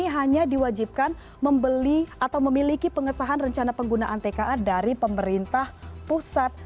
hanya diwajibkan membeli atau memiliki pengesahan rencana penggunaan tka dari pemerintah pusat